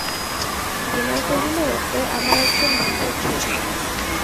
বিনয় কহিল, এ আমার একজন বন্ধুর ছবি।